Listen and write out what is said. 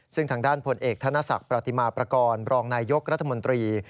ซึ่งทางด้านพลเอกธนศักดิ์ประติมาประกอบรองนายยกรัฐมนตรี